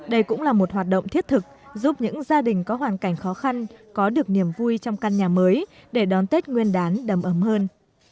đây cũng là một hoạt động thiết thực giúp những gia đình có hoàn cảnh khó khăn có được niềm vui trong căn nhà mới để đón tết nguyên đán đầm ấm hơn